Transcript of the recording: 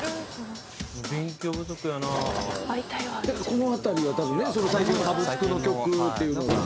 この辺りは多分ね最近のサブスクの曲っていうのが。